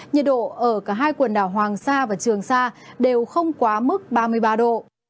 nhiệt độ ở cả hai quần đảo hoàng sa và trường sa đều không quá mức ba mươi ba độ